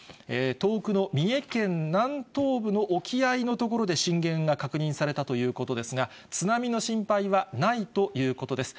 遠くの三重県南東部の沖合の所で、震源が確認されたということですが、津波の心配はないということです。